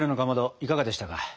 いかがでしたか？